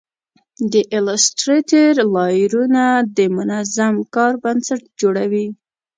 د ایلیسټریټر لایرونه د منظم کار بنسټ جوړوي.